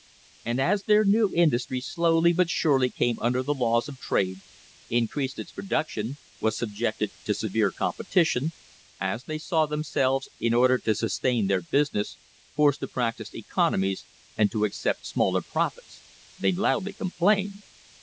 And as their new industry slowly but surely came under the laws of trade, increased its produc tion, was subjected to severe competition, as they saw them selves, in order to sustain their business, forced to practise economies and to accept smaller profits, they loudly com plained.